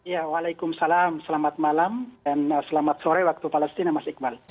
waalaikumsalam selamat malam dan selamat sore waktu palestina mas iqbal